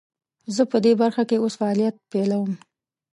زه پدي برخه کې اوس فعالیت پیلوم.